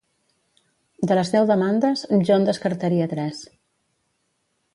De les deu demandes, jo en destacaria tres.